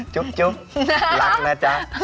จุ๊บรักนะจ๊ะ